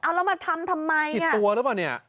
เอาแล้วมาทำทำไมผิดตัวหรือเปล่าเนี่ย